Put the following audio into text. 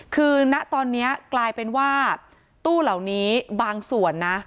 คือณตอนนี้กลายเป็นว่าตู้เหล่านี้บางส่วนนะ